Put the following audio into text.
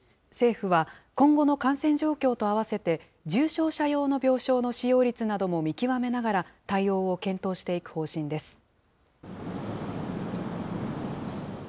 政府は今後の感染状況とあわせて重症者用の病床の使用率なども見極めながら対応を検討していく方針です。